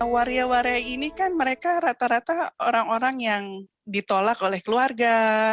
waria waria ini kan mereka rata rata orang orang yang ditolak oleh keluarga